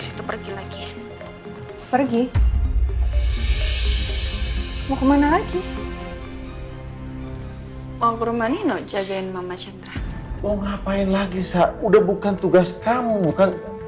hai mau ke rumah nino jagain mama cendri mau ngapain lagi sa udah bukan tugas kamu bukan